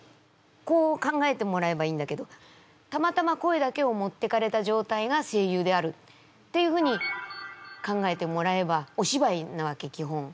こう考えてもらえばいいんだけどたまたま声だけを持っていかれた状態が声優であるっていうふうに考えてもらえばお芝居なわけ基本。